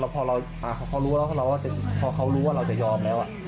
พอเขารู้ว่าเราจะยอมแล้ว